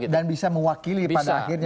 dan bisa mewakili pada akhirnya